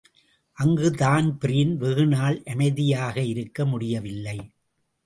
அங்கு தான்பிரீன் வெகுநாள் அமைதியாயிருக்க முடியவில்லை.